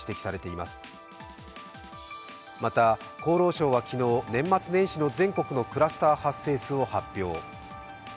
また厚労省は昨日、年末年始の全国のクラスター発生数を発表。